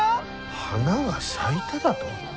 花が咲いただと？